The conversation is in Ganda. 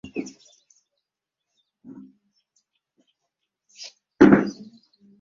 Era basobole okukkirizaayo abantu abasaamusaamu